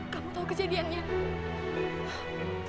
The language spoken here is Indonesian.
kamu tau kejadiannya gak